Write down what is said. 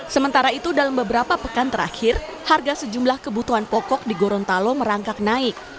sementara itu dalam beberapa pekan terakhir harga sejumlah kebutuhan pokok di gorontalo merangkak naik